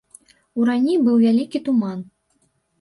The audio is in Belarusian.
Уранні быў вялікі туман.